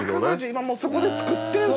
今もうそこで作ってんですね。